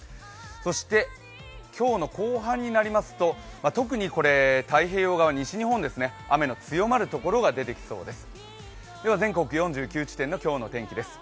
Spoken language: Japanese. そして今日の後半になりますと特に太平洋側、西日本です、雨の強まるところが出てきそうです。